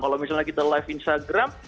kalau misalnya kita live instagram